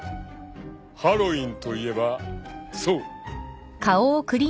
ハロウィーンといえばそうこれ。